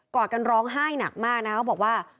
อดกันร้องไห้หนักมากนะเขาบอกว่า